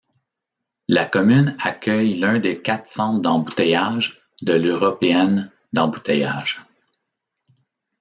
La commune accueille l'un des quatre centres d'embouteillage de l'Européenne d'Embouteillage.